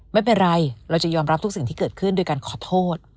ไม่เป็นไรเราจะยอมรับทุกสิ่งที่เกิดขึ้นโดยการขอโทษ